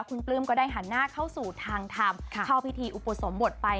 คุณปลื้มก็ได้หันหน้าเข้าสู่ทางทำเข้าพิธีอุปสมบทไป